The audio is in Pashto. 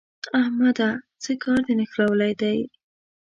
احمده! څه کار دې نښلولی دی؟